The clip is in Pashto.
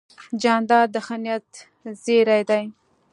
جانداد د ښه نیت زېرى دی.